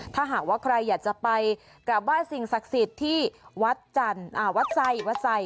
ถ้าหากว่าใครอยากไปกราบว่าสิ่งศักดิ์สิทธิ์ที่วัดใจ